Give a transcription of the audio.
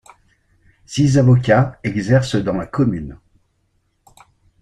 Six avocats exercent dans la commune.